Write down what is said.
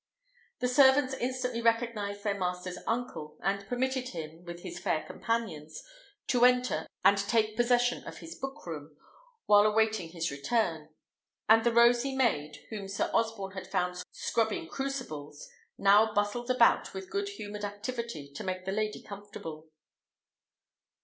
The servants instantly recognised their master's uncle, and permitted him, with his fair companions, to enter and take possession of his book room, while awaiting his return; and the rosy maid, whom Sir Osborne had found scrubbing crucibles, now bustled about with good humoured activity to make the lady comfortable.